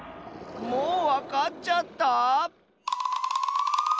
もうわかっちゃった？